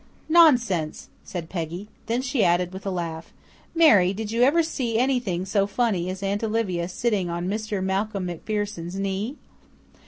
"Nonsense!" said Peggy. Then she added with a laugh, "Mary, did you ever see anything so funny as Aunt Olivia sitting on 'Mr. Malcolm MacPherson's' knee?"